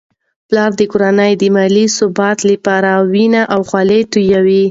پلار د کورنی د مالي ثبات لپاره خپله وینه او خوله تویوي.